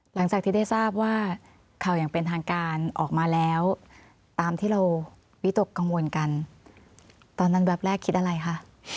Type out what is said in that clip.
หลังจากที่ได้ทราบว่าข่าวอย่างเป็นทางการออกมาแล้วตามที่เราวิตกกังวลกันตอนนั้นแวบแรกคิดอะไรคะ